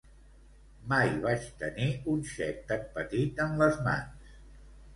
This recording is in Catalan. Mai vaig tenir un xec tan petit en les mans.